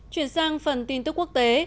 chuyển sang phần tin tức quốc tế